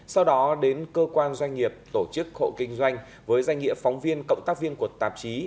sau đó đến cơ quan doanh nghiệp tổ chức hộ kinh doanh với danh nghĩa phóng viên cộng tác viên của tạp chí